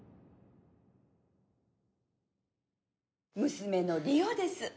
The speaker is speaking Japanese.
娘の理央です